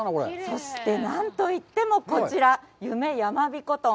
そして、何といってもこちら、「夢やまびこ豚」。